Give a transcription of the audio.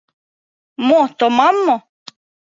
Мо, томам мо?